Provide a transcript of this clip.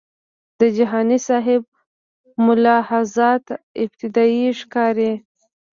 د جهانی سیب ملاحظات ابتدایي ښکاري.